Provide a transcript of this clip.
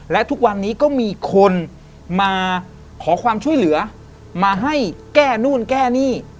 และทุกวันนี้ก็มีคนมาขอความช่วยเหลือมาให้แก้นู่นแก้นี่